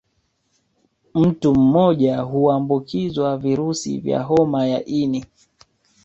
Mtu mmoja huambukizwa virusi vya homa ya ini